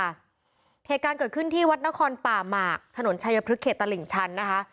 เหตุการณ์เกิดขึ้นที่วัดนครป่าหมากถนนชายพลึกเขตตลิ่งชันนะคะ